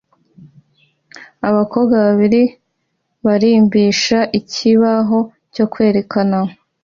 Abakobwa babiri barimbisha ikibaho cyo kwerekana